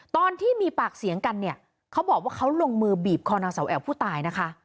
ตอนที่มีปากเสียงกันเนี่ยเขาบอกว่าเขาลงมือบีบคอนางสาวแอ๋วผู้ตายนะคะ